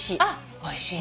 おいしいね。